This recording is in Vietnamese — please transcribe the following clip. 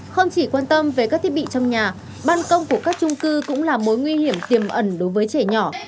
không chỉ quan tâm về các thiết bị trong nhà ban công của các trung cư cũng là mối nguy hiểm tiềm ẩn đối với trẻ nhỏ